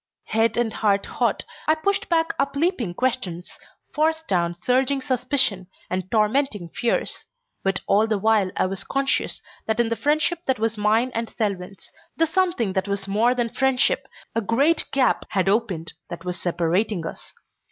Head and heart hot, I pushed back upleaping questions, forced down surging suspicion and tormenting fears, but all the while I was conscious that in the friendship that was mine and Selwyn's, the something that was more than friendship, a great gap had opened that was separating us.